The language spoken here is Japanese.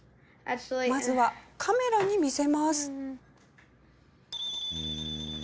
まずはカメラに見せます。